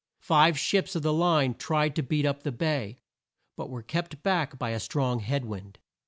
Five ships of the line tried to beat up the bay, but were kept back by a strong head wind.